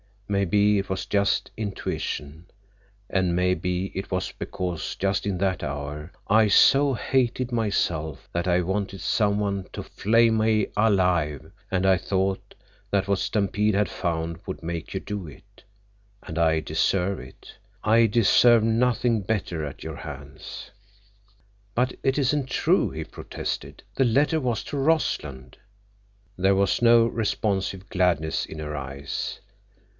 Maybe it was just—intuition, and maybe it was because—just in that hour—I so hated myself that I wanted someone to flay me alive, and I thought that what Stampede had found would make you do it. And I deserve it! I deserve nothing better at your hands." "But it isn't true," he protested. "The letter was to Rossland." There was no responsive gladness in her eyes.